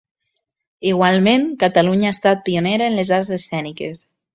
Igualment, Catalunya ha estat pionera en les arts escèniques.